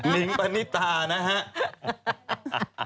นิ้งปะนิตานะฮะ